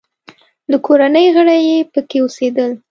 د کورنۍ غړي یې پکې اوسېدل.